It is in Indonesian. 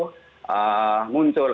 sehingga kritik kritik muncul itu